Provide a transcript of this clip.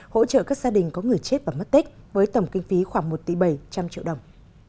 hỗ trợ các gia đình có người chết và mất tích với tổng kinh phí khoảng một tỷ bảy trăm linh triệu đồng